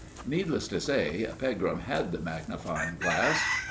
Needless to say, Pegram had the magnifying glass.